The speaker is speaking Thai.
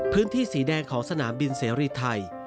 พื้นที่สีแดงของสนามบินเสรีไทย